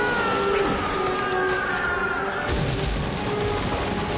うわ！